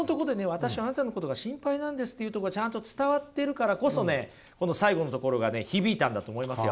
私あなたのことが心配なんですっていうとこがちゃんと伝わっているからこそねこの最後のところがね響いたんだと思いますよ。